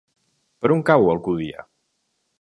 Per on cau Alcúdia?